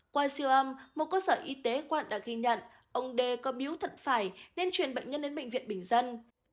qua siêu âm một cơ sở y tế quận đã ghi nhận ông d có biếu thận phải nên chuyển bệnh nhân đến bệnh viện bình dân